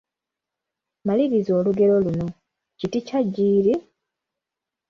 Maliriza olugero luno: Kiti kya jjiiri, …..